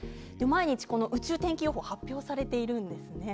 毎日、宇宙天気予報を発表されているんです。